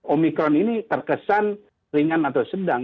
omikron ini terkesan ringan atau sedang